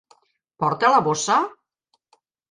Porta la bossa?